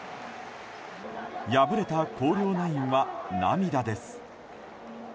敗れた広陵ナインは涙です。